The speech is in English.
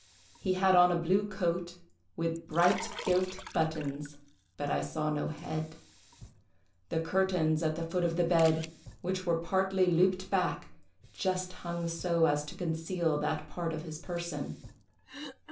He had on a blue coat, with bright gilt buttons, but I saw no head; the curtains at the foot of the bed, which were partly looped back, just hung so as to conceal that part of his person.